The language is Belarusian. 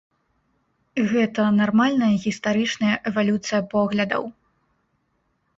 Гэта нармальная гістарычная эвалюцыя поглядаў.